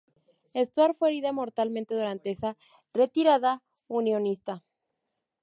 Stuart fue herido mortalmente durante esa retirada unionista.